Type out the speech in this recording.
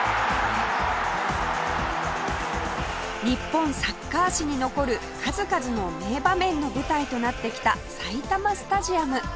日本サッカー史に残る数々の名場面の舞台となってきた埼玉スタジアム